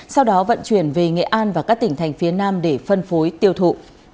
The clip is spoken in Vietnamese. sau đó vận chuyển về nghệ an và các tỉnh thành phía nam để phân phối tiêu thụ